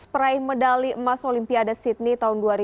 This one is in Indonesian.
peraih medali emas olimpiade sydney tahun dua ribu